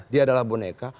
dia adalah boneka